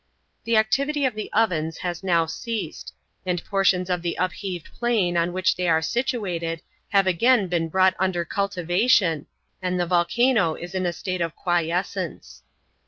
The activity of the ovens has now ceased, and portions of the upheaved plain on which they are situated have again been brought under cultivation, and the volcano is in a state of quiescence.